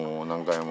何か。